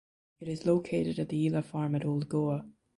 It is located at the Ela Farm at Old Goa.